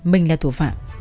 mình là thủ phạm